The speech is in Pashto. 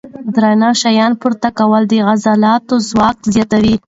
درانده شیان پورته کول د عضلاتو ځواک زیاتوي.